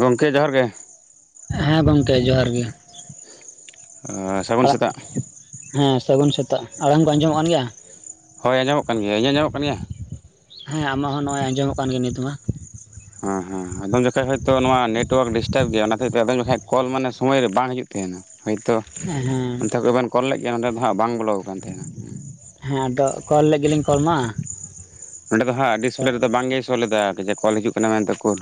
ᱜᱚᱝᱠᱮ ᱡᱚᱦᱟᱨ ᱜᱮ᱾ ᱦᱮᱸ ᱜᱚᱝᱠᱮ ᱡᱚᱦᱟᱨ ᱜᱮ᱾ ᱮ ᱥᱟᱹᱜᱩᱱ ᱟᱲᱟᱜ ᱥᱮᱛᱟᱜ᱾ ᱦᱮᱸ ᱥᱟᱹᱜᱩᱱ ᱥᱮᱛᱟᱜ, ᱟᱲᱟᱝ ᱫᱚ ᱟᱸᱡᱚᱢᱚᱜ ᱠᱟᱱ ᱜᱮᱭᱟ? ᱦᱳᱭ ᱟᱸᱡᱚᱢ ᱠᱟᱱ ᱜᱮᱭᱟ, ᱤᱧᱟᱹᱜ ᱟᱸᱡᱚᱢᱚᱜ ᱠᱟᱱ ᱜᱮᱭᱟ? ᱦᱮᱸ, ᱟᱢᱟᱜ ᱦᱚᱸ ᱱᱚᱜᱼᱚᱭ ᱟᱸᱡᱚᱢᱚᱜ ᱠᱟᱱ ᱜᱮᱭᱟ ᱱᱤᱛ ᱢᱟ᱾ ᱦᱮᱸ ᱦᱮᱸ, ᱟᱫᱚᱢ ᱡᱚᱠᱷᱚᱡ ᱦᱚᱭᱛᱳ ᱱᱚᱣᱟ ᱱᱮᱴᱳᱣᱟᱨᱠ ᱰᱤᱥᱴᱟᱵ ᱜᱮᱭᱟ, ᱚᱱᱟ ᱦᱚᱛᱮᱡ ᱛᱮ ᱟᱫᱚᱢ ᱡᱚᱠᱷᱟᱡ ᱠᱚᱞ ᱢᱟᱱᱮ ᱥᱚᱢᱚᱭ ᱨᱮ ᱵᱟᱝ ᱦᱤᱡᱩᱜ ᱛᱟᱦᱮᱱᱟ, ᱦᱚᱭᱛᱳ ᱦᱮᱸ ᱚᱱᱛᱮ ᱠᱷᱚᱡ ᱜᱮ ᱵᱮᱱ ᱠᱚᱞ ᱞᱮᱫ ᱜᱮᱭᱟ, ᱱᱚᱸᱰᱮ ᱫᱚ ᱦᱟᱸᱜ ᱵᱟᱝ ᱵᱚᱞᱚ ᱠᱟᱱ ᱛᱟᱦᱮᱱᱟ᱾ ᱦᱮᱸ ᱟᱫᱚ ᱠᱚᱞ ᱞᱮᱜ ᱜᱮᱞᱤᱧ ᱠᱚᱞ ᱢᱟ᱾ ᱱᱚᱸᱰᱮ ᱫᱚ ᱦᱟᱸᱜ ᱰᱤᱥᱯᱞᱮ ᱨᱮᱫᱚ ᱵᱟᱝᱜᱮᱭ ᱥᱳ ᱞᱮᱫᱟ, ᱡᱮ ᱠᱚᱞ ᱦᱤᱡᱩᱜ ᱠᱟᱱᱟ ᱢᱮᱱᱛᱮ ᱩᱠᱩᱨ?